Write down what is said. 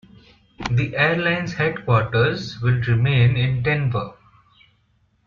The airline's headquarters will remain in Denver.